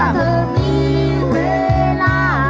เธอมีเวลา